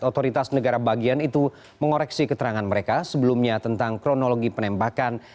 otoritas negara bagian itu mengoreksi keterangan mereka sebelumnya tentang kronologi penembakan